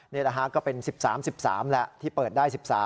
นะฮะก็เป็น๑๓๑๓แล้วที่เปิดได้๑๓